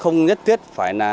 không nhất là các cả chức ký